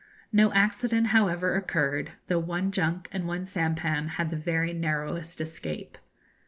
No accident, however, occurred, though one junk and one sampan had the very narrowest escape.